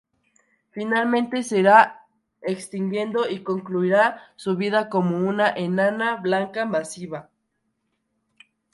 Finalmente se irá extinguiendo y concluirá su vida como una enana blanca masiva.